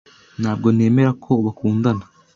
Ntabwo nemera ko bakundana.